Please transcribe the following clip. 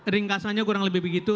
ringkasannya kurang lebih begitu